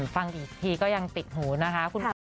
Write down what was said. ฟังอีกทีก็ยังติดหูนะคะ